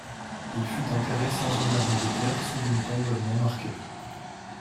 Il fut enterré sans honneur militaire sous une tombe non marquée.